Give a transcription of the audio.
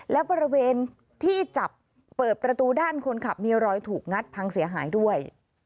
และบริเวณที่จับเปิดประตูด้านคนขับมีรอยถูกงัดพังเสียหายด้วย